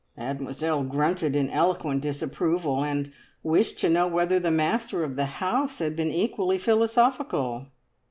Mademoiselle grunted in eloquent disapproval, and wished to know whether the master of the house had been equally philosophical.